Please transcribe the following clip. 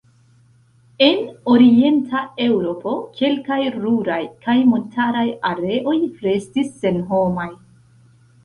En Orienta Eŭropo kelkaj ruraj kaj montaraj areoj restis senhomaj.